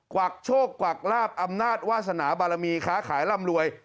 วักโชคกวักลาบอำนาจวาสนาบารมีค้าขายร่ำรวย